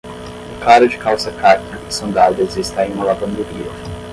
Um cara de calça cáqui e sandálias está em uma lavanderia.